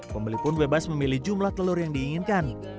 pembeli pun bebas memilih jumlah telur yang diinginkan